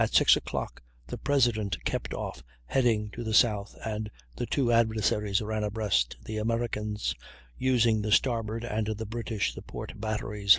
00 the President kept off, heading to the south, and the two adversaries ran abreast, the Americans using the starboard and the British the port batteries.